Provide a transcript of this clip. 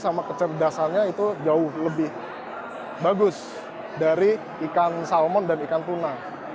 sama kecerdasannya itu jauh lebih bagus dari ikan salmon dan ikan tuna